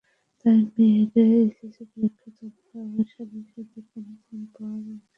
তাই মেয়ের এইচএসসি পরীক্ষা চললেও শর্মিলাদির ফোন পাওয়া মাত্রই রাজি হয়েছি।